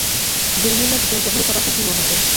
جرمونه د ټولنپوهني په برخه کې مهمه دي.